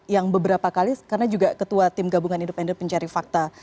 yang beberapa kali karena juga ketua tim gabungan independen pencari fakta